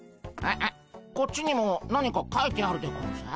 こっちにも何かかいてあるでゴンス。